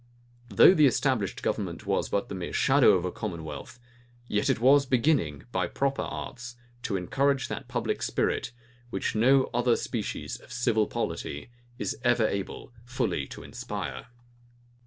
Though the established government was but the mere shadow of a commonwealth, yet was it beginning by proper arts, to encourage that public spirit, which no other species of civil polity is ever able fully to inspire.